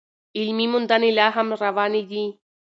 علمي موندنې لا هم روانې دي.